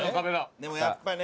でもやっぱね。